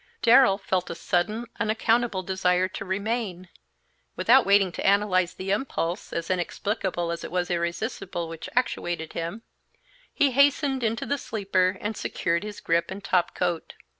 Darrell felt a sudden, unaccountable desire to remain. Without waiting to analyze the impulse, as inexplicable as it was irresistible, which actuated him, he hastened into the sleeper and secured his grip and top coat.